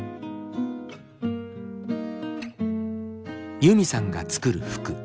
ユミさんが作る服。